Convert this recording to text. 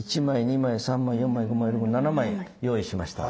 １枚２枚３枚４枚５枚６枚７枚用意しました。